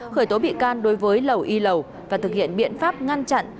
khởi tố bị can đối với lậu y lậu và thực hiện biện pháp ngăn chặn